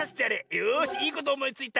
よしいいことおもいついた！』」。